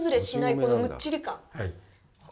このむっちり感。